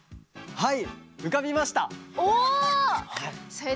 はい。